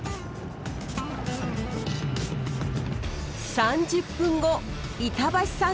３０分後板橋さん